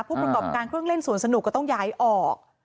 ผู้ประกอบการเครื่องเล่นสวนสนุกก็ต้องย้ายออก